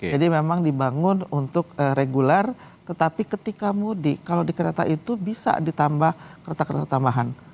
jadi memang dibangun untuk regular tetapi ketika mudik kalau di kereta itu bisa ditambah kereta kereta tambahan